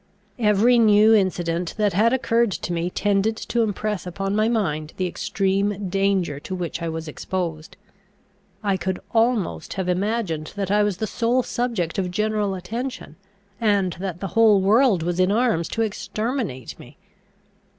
Every new incident that had occurred to me tended to impress upon my mind the extreme danger to which I was exposed. I could almost have imagined that I was the sole subject of general attention, and that the whole world was in arms to exterminate me.